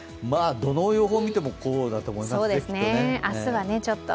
どの予報見ても、こうだと思いますね、きっと。